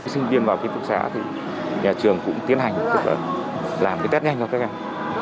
sinh viên vào ký thúc xá thì nhà trường cũng tiến hành làm cái test nhanh cho các em